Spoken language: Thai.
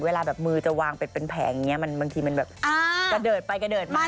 เวลาแบบมือจะวางเป็นแผงอย่างนี้บางทีมันแบบกระเดิดไปกระเดิดมา